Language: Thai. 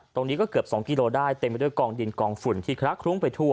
ตรงนี้ก็เกือบ๒กิโลได้เต็มไปด้วยกองดินกองฝุ่นที่คละคลุ้งไปทั่ว